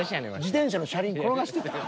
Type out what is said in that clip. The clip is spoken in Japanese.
自転車の車輪転がしてた？